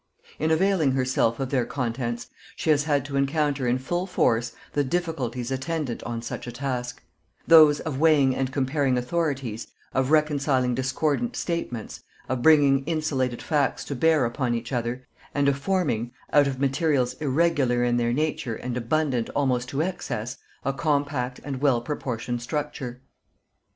In availing herself of their contents, she has had to encounter in full force the difficulties attendant on such a task; those of weighing and comparing authorities, of reconciling discordant statements, of bringing insulated facts to bear upon each other, and of forming out of materials irregular in their nature and abundant almost to excess, a compact and well proportioned structure.